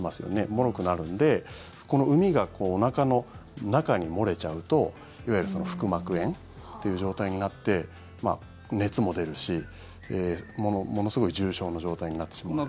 もろくなるのでうみがおなかの中に漏れちゃうといわゆる腹膜炎っていう状態になって熱も出るし、ものすごい重症の状態になってしまう。